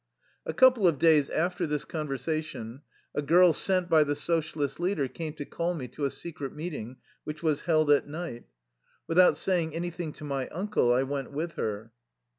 A couple of days after this conversation a girl sent by the socialist leader came to call me to a secret meeting, which was held at night. Without saying anything to my uncle I went with her.